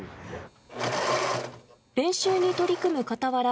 練習に取り組む傍ら